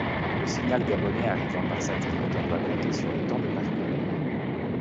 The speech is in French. Le signal gabonais arrivant par satellite, on doit compter sur le temps de parcours.